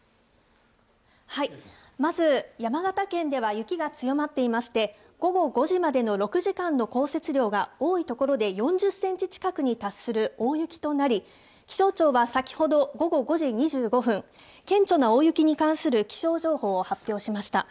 まず、山形県では雪が強まっていまして、午後５時までの６時間の降雪量が多い所で４０センチ近くに達する大雪となり、気象庁は先ほど、午後５時２５分、顕著な大雪に関する気象情報を発表しました。